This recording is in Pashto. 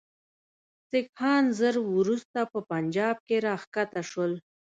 سیکهان ژر وروسته په پنجاب کې را کښته شول.